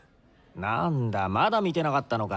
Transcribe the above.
なんだまだ見てなかったのか？